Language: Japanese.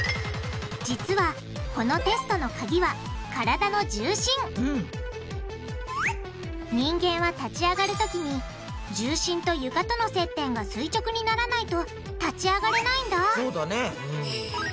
実はこのテストのカギは人間は立ち上がるときに重心と床との接点が垂直にならないと立ち上がれないんだそうだね。